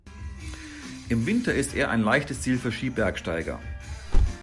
Im Winter ist er ein leichtes Ziel für Skibergsteiger.